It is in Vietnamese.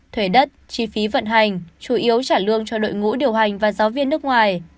thuế đất chi phí vận hành chủ yếu trả lương cho đội ngũ điều hành và giáo viên nước ngoài